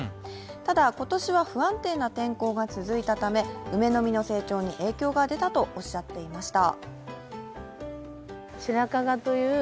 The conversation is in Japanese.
ただ今年は不安定な天候が続いたため梅の実の成長に影響が出たとおっしゃっていました。